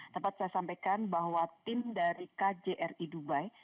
tempat saya sampaikan bahwa tim dari kjri dubai